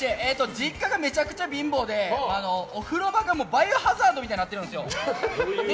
実家がめちゃくちゃ貧乏でお風呂場が「バイオハザード」みたいになってるんですよ。